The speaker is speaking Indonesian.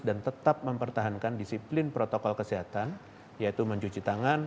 dan tetap mempertahankan disiplin protokol kesehatan yaitu mencuci tangan